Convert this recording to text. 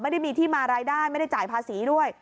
ไม่ได้มีที่มารายได้ไม่ได้จ่ายภาษีด้วย